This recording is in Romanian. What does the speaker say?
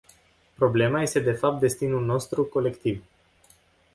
Problema este de fapt destinul nostru colectiv.